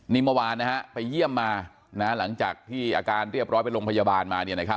นี่เมื่อวานไปเยี่ยมมาหลังจากที่อาการเรียบร้อยไปโรงพยาบาลมา